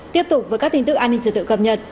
tiếp tục với các tin tức an ninh trật tự cập nhật